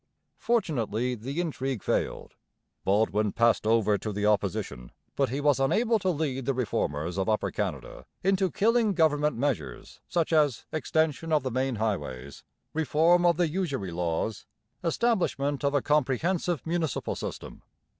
Fortunately the intrigue failed. Baldwin passed over to the opposition, but he was unable to lead the Reformers of Upper Canada into killing government measures such as extension of the main highways, reform of the usury laws, establishment of a comprehensive municipal system.